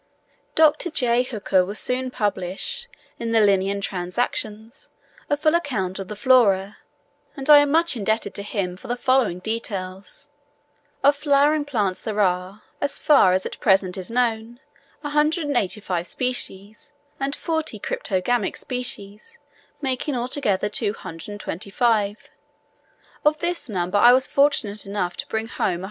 Dr. J. Hooker will soon publish in the "Linnean Transactions" a full account of the Flora, and I am much indebted to him for the following details. Of flowering plants there are, as far as at present is known, 185 species, and 40 cryptogamic species, making altogether 225; of this number I was fortunate enough to bring home 193.